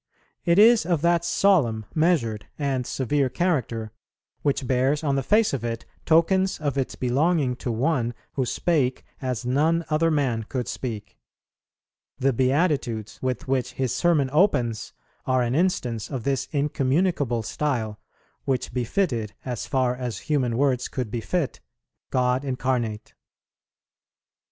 It is of that solemn, measured, and severe character, which bears on the face of it tokens of its belonging to One who spake as none other man could speak. The Beatitudes, with which His Sermon opens, are an instance of this incommunicable style, which befitted, as far as human words could befit, God Incarnate.